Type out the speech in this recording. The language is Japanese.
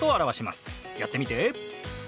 やってみて。